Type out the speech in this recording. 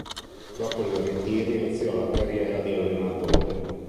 Dopo il ritiro iniziò la carriera di allenatore.